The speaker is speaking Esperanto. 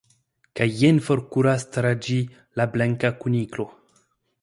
kaj jen forkuras tra ĝi la Blanka Kuniklo.